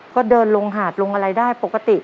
ก็เดินลงหาดลงอะไรได้ปกติ